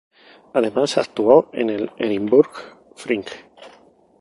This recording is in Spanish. Además actuó en el Edinburgh Fringe.